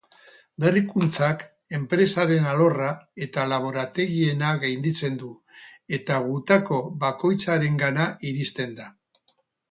Berrikuntzak enpresaren alorra eta laborategiena gainditzen du eta gutako bakoitzarengana iristen da.